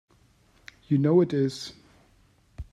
You know it is!